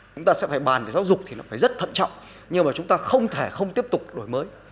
chúng ta sẽ phải bàn về giáo dục thì nó phải rất thận trọng nhưng mà chúng ta không thể không tiếp tục đổi mới